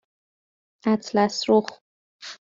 اطلسرخ